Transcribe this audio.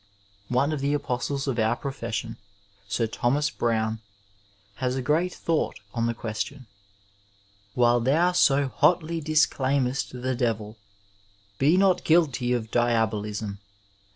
One of the apostles of our profession, Sir Thomas Browne, has a great thought on the question: While thou so hotly dlBclaimest the devil, be not guilty of dia bolism.